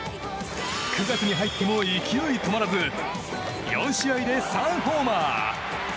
９月に入っても勢い止まらず４試合で３ホーマー。